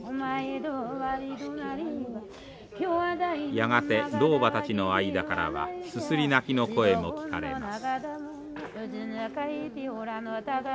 やがて老婆たちの間からはすすり泣きの声も聞かれます。